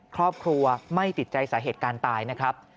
ครอบครัวไม่ติดใจสาเหตุการณ์ตายนะครับ